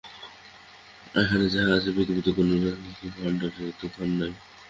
এখানে যাহা আছে পৃথিবীতে কোনো রাজরাজেশ্বরের ভাণ্ডারেও এত ধন নাই।